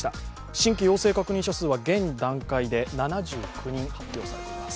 新規陽性確認者数は現段階で７９人発表されています。